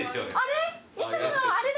あれ？